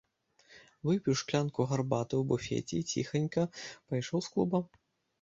Выпіў шклянку гарбаты ў буфеце і ціхенька пайшоў з клуба.